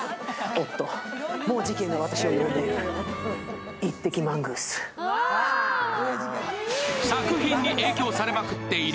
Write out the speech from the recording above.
おっと、もう事件が私を呼んでいる。